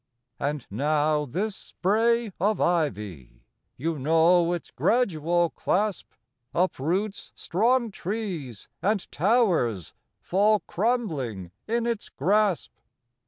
And now this spray of ivy: You know its gradual clasp Uproots strong trees, and towers Fall crumbling in its grasp.